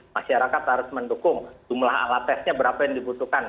masyarakat harus mendukung jumlah alat tesnya berapa yang dibutuhkan